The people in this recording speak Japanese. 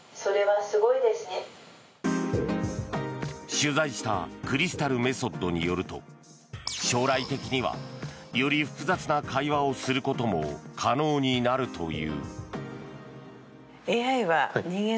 取材したクリスタルメソッドによると将来的にはより複雑な会話をすることも可能になるという。